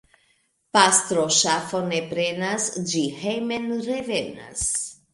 Pastro ŝafon ne prenas, ĝi hejmen revenas.